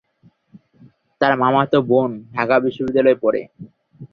তার মামাতো বোন ঢাকা বিশ্ববিদ্যালয়ে পড়ে।